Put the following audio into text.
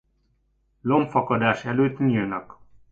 Lombfakadás előtt nyílnak.